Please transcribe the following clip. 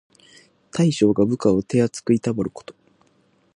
大将が部下を手あつくいたわること。